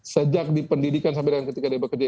sejak di pendidikan sampai dengan ketika dia bekerja